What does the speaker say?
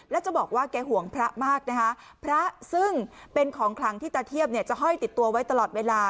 แล้วจะบอกว่าแกห่วงพระมากนะคะพระซึ่งเป็นของคลังที่ตาเทียบเนี่ยจะห้อยติดตัวไว้ตลอดเวลา